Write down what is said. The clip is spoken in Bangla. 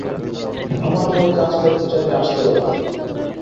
আমার হয়ে কাজ করতে চাইলে আসতে পারো।